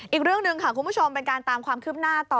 อีกเรื่องหนึ่งค่ะคุณผู้ชมเป็นการตามความคืบหน้าต่อ